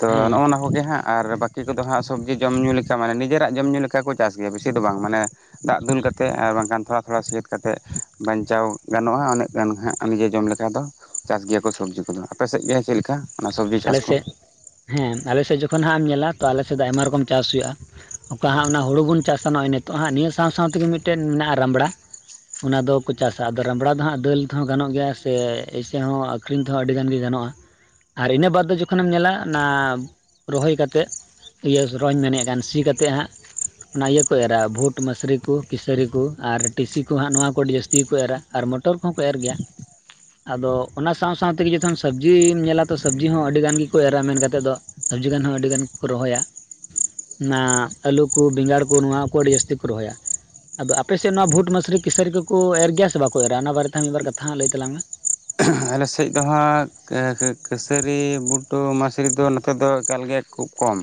ᱛᱚ ᱦᱮᱸ ᱱᱚᱜᱼᱱᱟ ᱠᱚᱜᱮ ᱦᱟᱸᱜ ᱟᱨ ᱵᱟᱹᱠᱤ ᱠᱚᱫᱚ ᱦᱟᱸᱜ ᱥᱚᱵᱽᱡᱤ ᱡᱚᱢ-ᱧᱩ ᱞᱮᱠᱟ, ᱢᱟᱱᱮ ᱱᱤᱡᱮᱨᱟᱜ ᱡᱚᱢᱼ ᱧᱩ ᱞᱮᱠᱟ ᱠᱚ ᱪᱟᱥ ᱜᱮᱭᱟ ᱵᱤᱥᱤ ᱫᱚ ᱵᱟᱝ ᱢᱟᱱᱮ ᱫᱟᱜ ᱫᱩᱞ ᱠᱟᱛᱮᱜ ᱟᱨ ᱵᱟᱝ ᱜᱟᱱ ᱛᱷᱚᱲᱟ-ᱛᱷᱚᱲᱟ ᱥᱮᱛ ᱠᱟᱛᱮᱜ ᱵᱟᱧᱪᱟᱣ ᱜᱟᱱᱚᱜᱼᱟᱸᱻ ᱱᱟᱹᱜ ᱜᱟᱱ ᱦᱟᱸᱜ ᱱᱤᱡᱮ ᱡᱚᱢ ᱞᱮᱠᱟ ᱫᱚ᱾ ᱪᱟᱥ ᱜᱮᱭᱟ ᱠᱚ ᱥᱚᱵᱽᱡᱤ ᱠᱚᱫᱚ, ᱟᱯᱮ ᱥᱮᱜ ᱜᱮ ᱪᱮᱜ ᱞᱮᱠᱟ? ᱚᱱᱟ ᱥᱚᱵᱽᱡᱤ ᱪᱟᱥ ᱟᱞᱮ ᱠᱚ ᱥᱮᱜ ᱦᱮᱸ, ᱟᱞᱮ ᱥᱮᱜ ᱡᱚᱠᱷᱚᱱ ᱦᱟᱸᱜ ᱮᱢ ᱧᱮᱞᱟ ᱛᱚ, ᱟᱞᱮ ᱥᱮᱜ ᱫᱚ ᱟᱭᱢᱟ ᱨᱚᱠᱚᱢ ᱪᱟᱥ ᱦᱩᱭᱩᱜᱼᱟ᱾ ᱚᱠᱟ ᱦᱟᱸᱜ ᱚᱱᱟ ᱦᱩᱲᱩ ᱵᱚᱱ ᱪᱟᱥᱟ, ᱱᱚᱜᱼᱚᱭ ᱱᱤᱛᱚᱜ ᱦᱟᱸᱜ ᱱᱤᱭᱟᱹ ᱥᱟᱶ-ᱥᱟᱶ ᱛᱮᱜᱮ ᱢᱤᱜᱴᱮᱫ ᱢᱮᱱᱟᱜᱼᱟ, ᱨᱟᱸᱵᱽᱲᱟ᱾ ᱚᱱᱟ ᱫᱚ ᱠᱚ ᱪᱟᱥᱟ, ᱟᱫᱚ ᱨᱟᱸᱵᱽᱲᱟ ᱫᱚ ᱦᱟᱸᱜ ᱫᱟᱹᱞ ᱛᱷᱮᱶᱚ ᱜᱟᱱᱚᱜ ᱜᱮᱭᱟ ᱥᱮ ᱮᱥᱮ ᱦᱚᱸ ᱟᱠᱷᱨᱤᱧ ᱛᱮᱦᱚᱸ ᱟᱹᱰᱤ ᱜᱟᱱ ᱜᱮ ᱜᱟᱱᱚᱜᱼᱟ᱾ ᱟᱨ ᱤᱱᱟᱹ ᱵᱟᱫᱽ ᱫᱚ ᱡᱚᱠᱷᱚ ᱱᱮᱢ ᱧᱮᱞᱟ, ᱟᱱᱟ ᱨᱚᱦᱚᱭ ᱠᱟᱛᱮᱜ᱾ ᱤᱭᱟᱹᱥ ᱨᱚᱧ ᱢᱮᱱᱮᱜ ᱠᱟᱱ ᱥᱤ ᱠᱟᱛᱮᱜ ᱦᱟᱸᱜ ᱚᱱᱟ ᱤᱭᱟᱹ ᱠᱚ ᱮᱨᱟ ᱵᱷᱩᱴ, ᱢᱟᱥᱨᱤ ᱠᱩ, ᱠᱤᱥᱟᱹᱨᱤ ᱠᱩ ᱟᱨ ᱴᱤᱥᱤ ᱠᱚ ᱦᱟᱸᱜ, ᱱᱚᱣᱟ ᱠᱚ ᱟᱹᱰᱤ ᱡᱟᱹᱥᱛᱤ ᱜᱮ ᱠᱚ ᱮᱨᱟ᱾ ᱟᱨ ᱢᱚᱴᱚᱨ ᱠᱚᱦᱚᱸ ᱠᱚ ᱮᱨ ᱜᱮᱭᱟ, ᱟᱫᱚ ᱚᱱᱟ ᱥᱟᱶ-ᱥᱟᱶ ᱛᱮᱜᱮ ᱡᱚᱛᱷᱚᱱ ᱥᱟᱵᱽᱡᱤᱢ ᱧᱮᱞᱟ ᱛᱚ ᱥᱟᱵᱽᱡᱤ ᱦᱚᱸ ᱟᱹᱰᱤ ᱜᱟᱱ ᱜᱮᱠᱚ ᱮᱨᱟ ᱢᱮᱱ ᱠᱟᱛᱮᱜ ᱫᱚ, ᱥᱟᱵᱽᱡᱤ ᱜᱟᱱ ᱦᱚᱸ ᱟᱹᱰᱤ ᱜᱟᱱ ᱠᱚ ᱨᱚᱦᱚᱭᱟ᱾ ᱱᱟ ᱟᱹᱞᱩ ᱠᱚ, ᱵᱮᱸᱜᱟᱲ ᱠᱚ, ᱱᱚᱣᱟ ᱠᱚ, ᱟᱹᱰᱤ ᱡᱟᱹᱥᱛᱤ ᱠᱚ ᱨᱚᱦᱚᱭᱟ᱾ ᱟᱫᱚ ᱟᱯᱮ ᱥᱮᱜ ᱱᱚᱣᱟ ᱵᱷᱩᱴ, ᱢᱟᱥᱨᱤ, ᱠᱤᱥᱟᱹᱨᱤ ᱠᱚᱠᱚ ᱮᱨ ᱜᱮᱭᱟ ᱥᱮ ᱵᱟᱠᱚ ᱮᱨᱟ! ᱚᱱᱟ ᱵᱟᱨᱮ ᱛᱮ ᱢᱤᱜ, ᱵᱟᱨ ᱠᱟᱛᱷᱟᱸ ᱞᱟᱹᱭ ᱛᱟᱞᱟᱝ ᱢᱮ᱾ ᱟᱞᱮ ᱥᱮᱡ ᱫᱚ ᱦᱟᱸᱜ ᱮᱸ ᱠᱟᱹ-ᱠᱟᱹᱥᱟᱹᱨᱤ, ᱵᱩᱴᱚ ᱢᱟᱥ- -ᱥᱨᱤ ᱫᱚ ᱱᱚᱛᱮ ᱫᱚ ᱮᱠᱟᱞ ᱜᱮ ᱠᱷᱩᱵ ᱠᱚᱢ,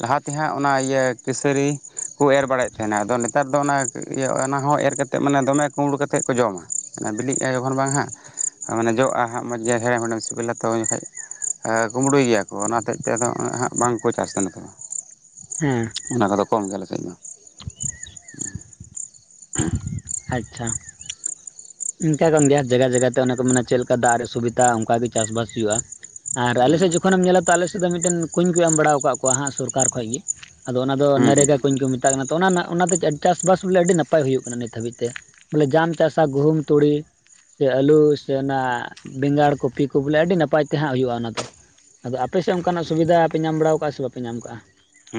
ᱞᱟᱦᱟ ᱛᱮ ᱦᱟᱸ ᱚᱱᱟ ᱤᱭᱟᱹ ᱠᱟᱹᱥᱟᱹᱨᱤ ᱠᱳ ᱮᱨ ᱵᱟᱲᱟᱭᱮᱜ ᱛᱷᱮᱱᱟ ᱟᱫᱚ ᱱᱮᱛᱟᱨ ᱫᱚ᱾ ᱚᱱᱟ ᱤᱭᱟᱹ, ᱚᱱᱟᱦᱚᱸ ᱮᱨ ᱠᱟᱛᱮᱜ ᱢᱟᱱᱮ ᱫᱚᱢᱮ ᱠᱩᱸᱵᱽᱲᱩ ᱠᱟᱛᱮᱜ ᱠᱚ ᱡᱚᱢᱟ᱾ ᱵᱤᱞᱤᱜᱼᱟ ᱡᱚᱠᱷᱚᱱ ᱵᱟᱝ ᱦᱟᱸᱜ ᱢᱟᱱᱮ ᱡᱚᱜᱼᱟ ᱦᱟᱸᱜ ᱢᱚᱡᱽ ᱜᱮ ᱦᱮᱲᱮᱢ ᱦᱮᱲᱮᱢ ᱥᱤᱵᱤᱞᱟ ᱛᱚ ᱩᱱ ᱡᱚᱠᱷᱚᱡ ᱮ ᱠᱩᱢᱵᱽᱲᱩᱭ ᱜᱮᱭᱟ ᱠᱚ ᱚᱱᱟ ᱦᱚᱛᱮᱜ ᱛᱮ ᱟᱫᱚ ᱩᱱᱟᱹᱜ ᱦᱟᱸᱜ ᱵᱟᱝᱠᱚ ᱪᱟᱥᱟ ᱱᱚᱛᱮ ᱫᱚ ᱦᱩᱸ ᱚᱱᱟ ᱠᱚᱫᱚ ᱠᱚᱢ ᱜᱮ ᱟᱞᱮ ᱥᱮᱡ ᱫᱚ [unintelligible] ᱟᱪᱪᱷᱟ ᱤᱱᱠᱟ ᱠᱟᱱ ᱜᱮᱭᱟ ᱡᱟᱭᱜᱟ ᱡᱟᱭᱜᱟ ᱛᱮ ᱚᱱᱮ ᱠᱚ ᱢᱮᱱᱟ ᱪᱮᱫ ᱞᱮᱠᱟ ᱫᱟᱜ ᱨᱮ ᱥᱩᱵᱤᱫᱷᱟ ᱚᱱᱠᱟᱜᱮ ᱪᱟᱥᱵᱟᱥ ᱦᱩᱭᱩᱜᱼᱟ ᱟᱨ ᱟᱞᱮᱥᱮᱫ ᱡᱚᱠᱷᱚᱱᱮᱢ ᱧᱮᱞᱟ ᱛᱚ ᱟᱞᱮ ᱥᱮᱫ ᱫᱚ ᱢᱤᱫᱴᱮᱱ ᱠᱩᱸᱧ ᱠᱚ ᱮᱢ ᱵᱟᱲᱟ ᱟᱠᱟᱫ ᱠᱚᱣᱟ ᱦᱟᱸᱜ ᱥᱚᱨᱠᱟᱨ ᱠᱷᱚᱡ ᱜᱮ ᱟᱫᱚ ᱚᱱᱟ ᱫᱚ ᱦᱩᱸ ᱦᱩᱸ ᱱᱟᱨᱮᱜᱟ ᱠᱩᱧ ᱠᱚ ᱢᱮᱛᱟᱜ ᱠᱟᱱᱟ ᱛᱚ ᱚᱱᱟ ᱨᱮᱱᱟᱜ ᱚᱱᱟᱛᱮ ᱪᱟᱥᱵᱟᱥ ᱵᱚᱞᱮ ᱟᱹᱰᱤ ᱱᱟᱯᱟᱭ ᱱᱟᱯᱟᱭ ᱦᱩᱭᱩᱜ ᱠᱟᱱᱟ ᱱᱤᱛ ᱦᱟᱹᱵᱤᱡ ᱛᱮ ᱵᱚᱞᱮ ᱡᱟᱢ ᱪᱟᱥᱟ ᱜᱩᱦᱩᱢ ᱛᱩᱲᱤ ᱥᱮ ᱟᱹᱞᱩ ᱥᱮ ᱚᱱᱟ ᱵᱮᱸᱜᱟᱲ ᱠᱚᱯᱤ ᱠᱚ ᱵᱚᱞᱮ ᱟᱹᱰᱤ ᱱᱟᱯᱟᱭ ᱛᱮ ᱦᱟᱸᱜ ᱦᱩᱭᱩᱜᱼᱟ ᱚᱱᱟ ᱫᱚ ᱟᱫᱚ ᱟᱯᱮ ᱥᱮᱫ ᱚᱱᱠᱟᱱᱟᱜ ᱥᱩᱵᱤᱫᱷᱟ ᱯᱮ ᱧᱟᱢ ᱵᱟᱲᱟᱣ ᱠᱟᱜᱼᱟ ᱥᱮ ᱵᱟᱯᱮ ᱧᱟᱢ ᱠᱟᱜᱼᱟ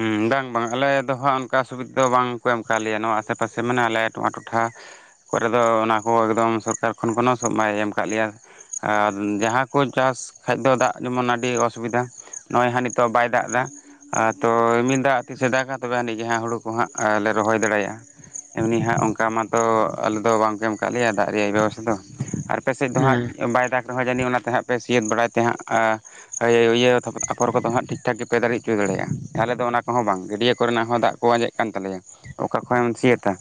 ᱦᱩᱸ ᱵᱟᱝ ᱵᱟᱝ ᱟᱞᱮ ᱫᱚ ᱦᱟᱸᱜ ᱚᱱᱠᱟ ᱥᱩᱵᱤᱫᱷᱟ ᱵᱟᱝᱠᱚ ᱮᱢ ᱠᱟᱣ ᱞᱮᱭᱟ ᱱᱚᱣᱟ ᱟᱥᱮ ᱯᱟᱥᱮ ᱢᱟᱱᱮ ᱟᱞᱮ ᱱᱚᱣᱟ ᱱᱚᱣᱟ ᱴᱚᱴᱷᱟ ᱠᱚᱨᱮ ᱫᱚ ᱚᱱᱟ ᱠᱚ ᱮᱠᱫᱚᱢ ᱥᱚᱨᱠᱟᱨ ᱠᱷᱚᱱ ᱮᱠᱷᱚᱱ ᱠᱚᱱᱚ ᱦᱚᱸ ᱥᱚᱵ ᱵᱟᱭ ᱮᱢ ᱟᱠᱟᱫ ᱞᱮᱭᱟ ᱟᱨ ᱡᱟᱦᱟᱸ ᱠᱚ ᱪᱟᱥ ᱠᱷᱟᱡ ᱫᱚ ᱫᱟᱜ ᱡᱮᱢᱚᱱ ᱟᱹᱰᱤ ᱚᱥᱩᱵᱤᱫᱷᱟ ᱱᱚᱜᱼᱚᱭ ᱦᱟᱸᱜ ᱱᱤᱛᱳᱜ ᱵᱟᱭ ᱫᱟᱜ ᱮᱫᱟ ᱟ ᱛᱚ ᱨᱤᱢᱤᱞ ᱮᱴᱫᱟᱜ ᱛᱤᱥᱮ ᱫᱟᱜᱟ ᱛᱚᱵᱮ ᱟᱹᱱᱤᱡ ᱡᱟᱦᱟᱸ ᱦᱩᱲᱳ ᱠᱚ ᱦᱟᱸᱜ ᱞᱮ ᱨᱚᱦᱚᱭ ᱫᱟᱲᱮᱭᱟᱜᱼᱟ ᱮᱢᱱᱤ ᱦᱟᱸᱜ ᱚᱱᱠᱟ ᱢᱟᱛᱚ ᱟᱞᱮ ᱫᱚ ᱵᱟᱝᱠᱚ ᱮᱢ ᱠᱟᱜ ᱞᱮᱭᱟ ᱫᱟᱜ ᱨᱮᱭᱟᱜ ᱵᱮᱵᱚᱥᱛᱷᱟ ᱫᱚ ᱟᱨ ᱟᱯᱮ ᱥᱮᱫ ᱫᱚ ᱦᱟᱸᱜ ᱦᱮᱸ ᱵᱟᱭ ᱫᱟᱜᱽ ᱨᱮᱦᱚᱸ ᱡᱟᱹᱱᱤᱡ ᱚᱱᱟᱛᱮ ᱦᱟᱸᱜ ᱯᱮ ᱥᱤᱭᱮᱛ ᱵᱟᱲᱟᱭ ᱛᱮ ᱦᱟᱸᱜ ᱟ ᱦᱳᱭ ᱤᱭᱟᱹ ᱛᱟᱯᱚᱨ ᱟᱯᱷᱚᱨ ᱠᱚᱫᱚ ᱦᱟᱸᱜ ᱴᱷᱤᱠ ᱴᱷᱟᱠ ᱜᱮᱯᱮ ᱫᱟᱲᱮ ᱦᱚᱪᱚ ᱫᱟᱲᱮᱭᱟᱜᱼᱟ ᱛᱟᱦᱚᱞᱮ ᱫᱚ ᱚᱱᱟ ᱦᱚᱸ ᱵᱟᱝ ᱜᱟᱹᱰᱭᱟᱹ ᱠᱚᱨᱮᱱᱟᱜ ᱦᱚᱸ ᱫᱟᱜ ᱠᱚ ᱟᱸᱡᱮᱫ ᱠᱟᱱ ᱛᱟᱞᱮᱭᱟ ᱚᱠᱟ ᱠᱷᱚᱱ ᱮᱢ ᱥᱤᱭᱟᱹᱛ ᱛᱟ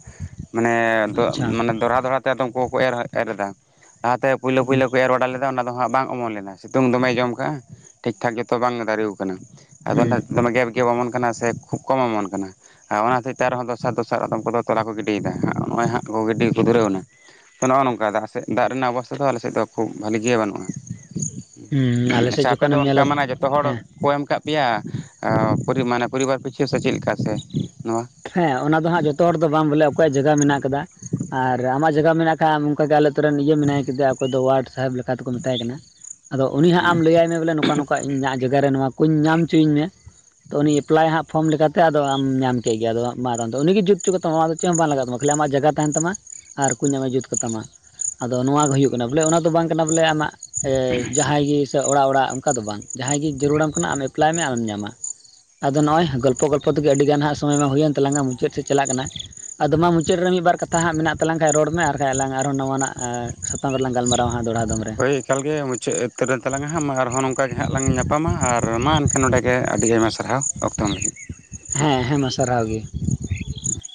ᱢᱟᱱᱮ ᱟᱪᱪᱷᱟ ᱢᱟᱱᱮ ᱫᱚᱲᱦᱟ ᱫᱚᱲᱦᱟ ᱛᱮ ᱟᱫᱚ ᱩᱱᱠᱩ ᱦᱚᱸᱠᱚ ᱮᱨ ᱮᱨ ᱮᱫᱟ ᱞᱟᱦᱟᱛᱮ ᱯᱳᱭᱞᱳ ᱦᱩᱸ ᱯᱳᱭᱞᱳ ᱠᱚ ᱮᱨ ᱵᱟᱲᱟ ᱞᱮᱫᱟ ᱚᱱᱟ ᱫᱚ ᱦᱟᱸᱜ ᱵᱟᱝ ᱚᱢᱚᱱ ᱞᱮᱱᱟ ᱥᱤᱛᱩᱝ ᱫᱚᱢᱮᱭ ᱡᱚᱢ ᱠᱟᱜᱼᱟ ᱴᱷᱤᱠ ᱴᱷᱟᱠ ᱡᱚᱛᱚ ᱵᱟᱝ ᱫᱟᱨᱮᱣ ᱠᱟᱱᱟ ᱟᱫᱚ ᱦᱩᱸ ᱚᱱᱟ ᱫᱚᱢᱮ ᱜᱮᱯ ᱜᱮᱯ ᱚᱢᱚᱱ ᱠᱟᱱᱟ ᱥᱮ ᱠᱷᱩᱵᱽ ᱠᱚᱢ ᱚᱢᱚᱱ ᱠᱟᱱᱟ? ᱟᱨ ᱚᱱᱟ ᱦᱚᱛᱮᱡ ᱛᱮ ᱟᱨᱦᱚᱸ ᱫᱚᱥᱟᱨ ᱫᱚᱥᱟᱨ ᱟᱫᱚᱢ ᱠᱚᱫᱚ ᱛᱚᱞᱟ ᱠᱚ ᱜᱤᱰᱮᱫᱟ ᱱᱚᱜᱼᱚᱸᱭ ᱦᱟᱸᱜ ᱜᱤᱰᱤ ᱜᱮᱠᱚ ᱫᱷᱩᱨᱟᱹᱣ ᱮᱱᱟ ᱛᱚ ᱱᱚᱜᱼᱚ ᱱᱚᱝᱠᱟ ᱟᱠᱮᱥᱮᱫ ᱫᱟᱜ ᱨᱮᱱᱟᱜ ᱚᱵᱚᱥᱛᱷᱟ ᱫᱚ ᱟᱞᱮᱥᱮᱫ ᱫᱚ ᱠᱷᱩᱵᱽ ᱵᱷᱟᱞᱤ ᱜᱮ ᱵᱟᱹᱱᱩᱜᱼᱟ ᱦᱩᱸ ᱟᱞᱮᱥᱮᱫ ᱟᱪᱪᱷᱟ ᱟᱯᱮ ᱫᱚ ᱡᱚᱠᱷᱚᱱᱮᱢ ᱚᱱᱠᱟ ᱧᱮᱞᱟ ᱢᱟᱱᱮ ᱡᱚᱛᱚ ᱦᱚᱲ ᱦᱮᱸ ᱠᱚ ᱮᱢ ᱟᱠᱟᱫ ᱯᱮᱭᱟ ᱟᱹ ᱯᱚᱨᱤ ᱢᱟᱱᱮ ᱯᱚᱨᱤᱵᱟᱨ ᱯᱤᱪᱷᱟᱹ ᱥᱮ ᱪᱮᱫ ᱞᱮᱠᱟ ᱥᱮ ᱱᱚᱣᱟ? ᱦᱮᱸ ᱚᱱᱟ ᱫᱚ ᱦᱟᱸᱜ ᱡᱚᱛᱚ ᱦᱚᱲ ᱫᱚ ᱵᱟᱝ ᱵᱚᱞᱮ ᱚᱠᱚᱭᱟᱜ ᱡᱟᱭᱜᱟ ᱢᱮᱱᱟᱜ ᱠᱟᱫᱟ ᱟᱨ ᱟᱢᱟᱜ ᱡᱟᱭᱜᱟ ᱢᱮᱱᱟᱜ ᱠᱷᱟᱡ ᱚᱱᱠᱟ ᱜᱮ ᱟᱞᱮ ᱟᱛᱳ ᱨᱮᱱ ᱤᱭᱟᱹ ᱢᱮᱱᱟᱭ ᱠᱮᱫᱮᱭᱟ ᱚᱠᱚᱭ ᱫᱚ ᱣᱟᱨᱰ ᱥᱟᱦᱮᱵᱽ ᱞᱮᱠᱟᱛᱮᱠᱚ ᱢᱮᱛᱟᱭ ᱠᱟᱱᱟ ᱟᱫᱚ ᱩᱱᱤ ᱦᱟᱸᱜ ᱟᱢ ᱞᱟᱹᱭᱟᱭ ᱦᱮᱸ ᱵᱚᱞᱮ ᱱᱚᱝᱠᱟ ᱱᱚᱝᱠᱟ ᱤᱧᱟᱹᱜ ᱡᱟᱭᱜᱟ ᱨᱮ ᱱᱚᱣᱟ ᱠᱩᱧ ᱧᱟᱢ ᱚᱪᱚᱧ ᱢᱮ ᱛᱚ ᱩᱱᱤ ᱮᱯᱞᱟᱭᱟ ᱦᱟᱸᱜ ᱯᱷᱚᱨᱢ ᱞᱮᱠᱟᱛᱮ ᱟᱫᱚ ᱟᱢ ᱧᱟᱢ ᱴᱷᱤᱠ ᱜᱮᱭᱟ ᱟᱫᱚ ᱦᱟᱸᱜ ᱢᱟ ᱫᱚ ᱩᱱᱤ ᱜᱮ ᱡᱩᱛ ᱚᱪᱚ ᱠᱟᱛᱟᱢ ᱟᱫᱚ ᱪᱮᱫ ᱦᱚᱸ ᱵᱟᱝ ᱞᱟᱜᱟᱜ ᱛᱟᱢᱟ ᱠᱷᱟᱹᱞᱤ ᱟᱢᱟᱜ ᱡᱟᱭᱜᱟ ᱛᱟᱦᱮᱸᱱ ᱛᱟᱢᱟ ᱟᱨ ᱠᱚ ᱧᱟᱢᱟ ᱡᱩᱛ ᱠᱟᱛᱟᱢᱟ ᱟᱫᱚ ᱱᱚᱣᱟ ᱜᱮ ᱦᱩᱭᱩᱜ ᱠᱟᱱᱟ ᱵᱚᱞᱮ ᱚᱱᱟ ᱫᱚ ᱵᱟᱝ ᱠᱟᱱᱟ ᱵᱚᱞᱮ ᱟᱢᱟᱜ ᱮ ᱡᱟᱦᱟᱸᱭ ᱜᱮ ᱥᱮ ᱚᱲᱟᱜ ᱚᱲᱟᱜ ᱚᱱᱠᱟ ᱫᱚ ᱵᱟᱝ ᱡᱟᱦᱟᱸᱭ ᱜᱮ ᱡᱟᱹᱨᱩᱲᱟᱢ ᱠᱟᱱᱟ ᱟᱢ ᱮᱯᱞᱟᱭ ᱢᱮ ᱟᱢᱮᱢ ᱧᱟᱢᱟ ᱟᱫᱚ ᱱᱚᱜᱼᱚᱭ ᱜᱚᱞᱯᱚ ᱜᱚᱞᱯᱚ ᱛᱮᱜᱮ ᱟᱹᱰᱤ ᱜᱟᱱ ᱦᱟᱸᱜ ᱥᱚᱢᱚᱭ ᱢᱟ ᱦᱩᱭᱮᱱ ᱛᱟᱞᱟᱝᱟ ᱢᱩᱪᱟᱹᱫ ᱥᱮᱫ ᱪᱟᱞᱟᱜ ᱠᱟᱱᱟ ᱟᱫᱚ ᱢᱟ ᱢᱩᱪᱟᱹᱫ ᱨᱮ ᱢᱤᱫᱵᱟᱨ ᱠᱟᱛᱷᱟ ᱦᱟᱸᱜ ᱢᱮᱱᱟᱜ ᱛᱟᱞᱟᱝ ᱠᱷᱟᱡ ᱨᱚᱲ ᱢᱮ ᱟᱨ ᱟᱨᱠᱟᱡ ᱟᱞᱟᱝ ᱟᱨᱦᱚᱸ ᱱᱟᱣᱟᱱᱟᱜ ᱥᱟᱛᱟᱢ ᱨᱮ ᱞᱟᱝ ᱜᱟᱞᱢᱟᱨᱟᱨᱣᱟ ᱫᱚᱦᱲᱟ ᱫᱷᱚᱢ ᱨᱮ ᱾ ᱦᱳᱭ ᱮᱠᱟᱞᱜᱮ ᱢᱩᱪᱟᱹᱫ ᱩᱛᱟᱹᱨᱮᱱ ᱛᱟᱞᱟᱝᱟ ᱦᱟᱸᱜ ᱢᱟ ᱟᱨᱦᱚᱸ ᱱᱚᱝᱠᱟ ᱜᱮ ᱦᱟᱸᱜ ᱞᱟᱝ ᱧᱟᱯᱟᱢᱟ ᱟᱨ ᱢᱟ ᱮᱱᱠᱷᱟᱱ ᱱᱚᱰᱮ ᱟᱹᱰᱤ ᱟᱭᱢᱟ ᱥᱟᱨᱦᱟᱣ ᱚᱠᱛᱚ ᱦᱮᱸ ᱦᱮᱸᱢᱟ ᱥᱟᱨᱦᱟᱣ ᱜᱮ [unintelligible]